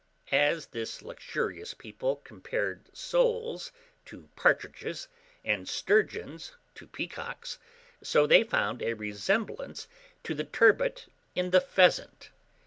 As this luxurious people compared soles to partridges, and sturgeons to peacocks, so they found a resemblance to the turbot in the pheasant.